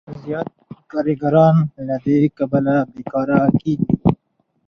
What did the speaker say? زیات کارګران له دې کبله بېکاره کېږي